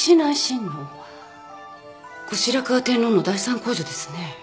後白河天皇の第３皇女ですね。